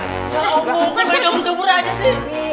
ya allah kok udah jemur jemur aja sih